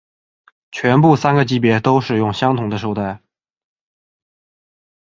全部三个级别都使用相同的绶带。